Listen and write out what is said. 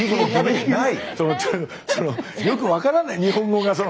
そのよく分からない日本語が。